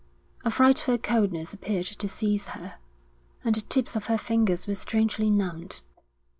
A frightful coldness appeared to seize her, and the tips of her fingers were strangely numbed.